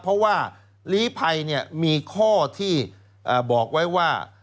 เพราะว่าลีภัยมีข้อที่บอกไว้ว่า